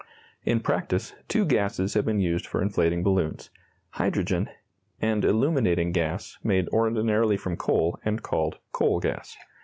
In practice, two gases have been used for inflating balloons hydrogen, and illuminating gas, made ordinarily from coal, and called "coal gas."